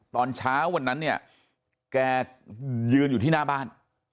ตอนเช้าวันนั้นเนี่ยแกยืนอยู่ที่หน้าบ้าน